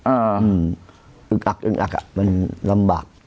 อึ้งอักอึ้งอักอย่างนั้นมันรำบาก